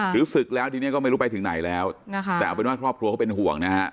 ศึกแล้วทีนี้ก็ไม่รู้ไปถึงไหนแล้วนะคะแต่เอาเป็นว่าครอบครัวเขาเป็นห่วงนะฮะ